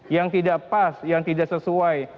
yang tidak pas yang tidak sesuai